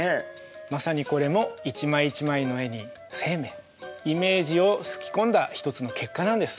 まさにこれも一枚一枚の絵に生命イメージを吹き込んだ一つの結果なんです。